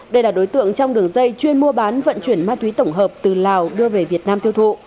đây là đối tượng trong đường dây chuyên mua bán vận chuyển ma túy tổng hợp từ lào đưa về việt nam tiêu thụ